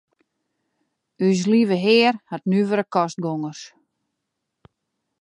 Us Leave Hear hat nuvere kostgongers.